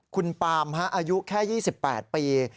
คุณปามอายุแค่๒๘ปี